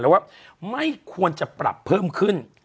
แล้วว่าไม่ควรจะปรับเพิ่มขึ้น